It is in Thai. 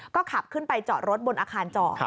ก็ขับขึ้นไปจอดรถบนอาคารจอด